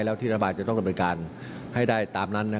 แล้วที่รัฐบาลจะต้องดำเนินการให้ได้ตามนั้น